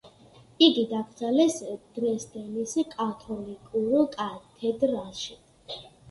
იგი დაკრძალეს დრეზდენის კათოლიკურ კათედრალში.